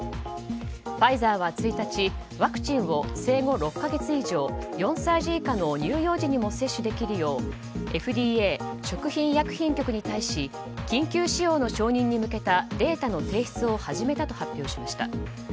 ファイザーは１日ワクチンを生後６か月以上４歳児以下の乳幼児にも接種できるようＦＤＡ・食品医薬品局に対し緊急使用の承認に向けたデータの提出を始めたと発表しました。